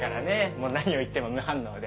もう何を言っても無反応で。